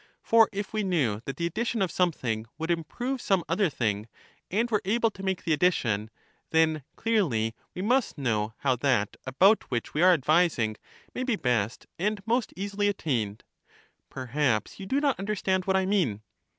For if we knew that the addition of something would improve some other thing, and were able to make the addition, then, clearly, we must know how that about which we are advising may be best and most easily attained. Per haps you do not understand what I mean.